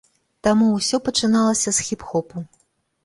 Таму ўсё пачыналася з хіп-хопу.